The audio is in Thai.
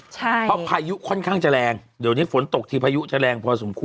เพราะพายุค่อนข้างจะแรงเดี๋ยวนี้ฝนตกทีพายุจะแรงพอสมควร